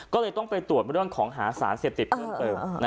ก็เลยต้องไปตรวจเรื่องของหาสารเสพติดเพิ่มเติม